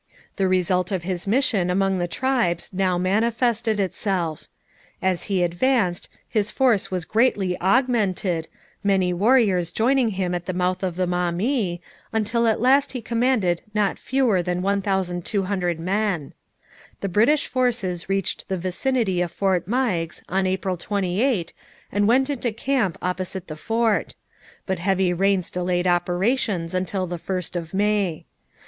The result of his mission among the tribes now manifested itself. As he advanced, his force was greatly augmented, many warriors joining him at the mouth of the Maumee, until at last he commanded not fewer than 1,200 men. The British forces reached the vicinity of Fort Meigs on April 28, and went into camp opposite the fort; but heavy rains delayed operations until the 1st of May.